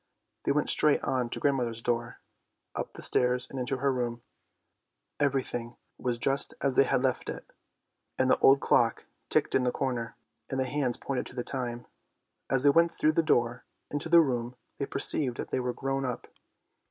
They went straight on to grandmother's door, up the stairs, and into her room. Every thing was just as they had left it, and the old clock ticked in the corner, and the hands pointed to the time. As they went through the door into the room they perceived that they were grown up.